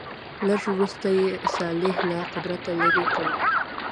لږ وروسته یې صالح له قدرته لیرې کړ.